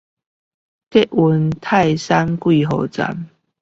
捷運泰山貴和站